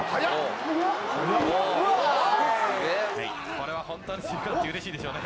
これは本当にうれしいでしょうね。